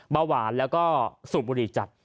เบาหวานแล้วก็สูบบุรีจัด